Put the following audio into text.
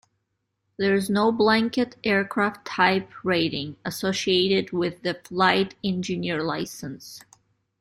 There is no blanket aircraft type rating associated with the flight engineer licence.